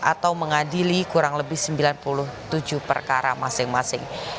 atau mengadili kurang lebih sembilan puluh tujuh perkara masing masing